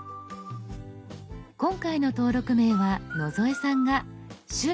今回の登録名は野添さんが「趣味野添」。